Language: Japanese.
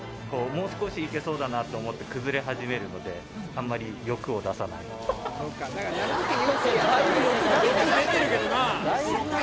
もう少しいけそうだなと思っても、崩れ始めるので、あんまり欲を出だいぶ欲出てるけどな。